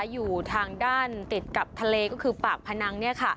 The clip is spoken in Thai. อยู่ทางด้านติดกับทะเลก็คือปากพนัง